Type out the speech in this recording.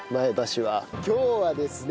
今日はですね